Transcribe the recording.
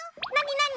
なに？